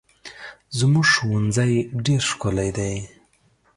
زموږ ښوونځی ډېر ښکلی دی.